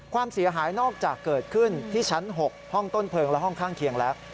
ความเสียหายนอกจากเกิดขึ้นที่ชั้น๖ห้องต้นเพลิงและห้องข้างเคียงแล้ว